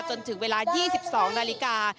จนถึงเวลา๒๒นาฬิกา